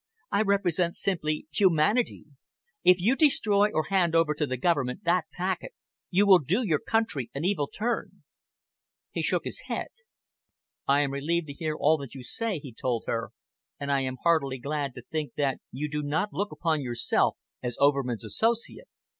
I represent simply humanity. If you destroy or hand over to the Government that packet, you will do your country an evil turn." He shook his head. "I am relieved to hear all that you say," he told her, "and I am heartily glad to think that you do not look upon yourself as Overman's associate.